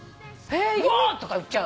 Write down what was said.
うわ！とか言っちゃう。